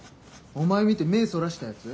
お前見て目そらしたやつ？